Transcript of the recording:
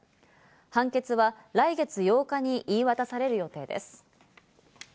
判決は来月８日に言い渡される予定です。